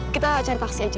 kita cari taksi aja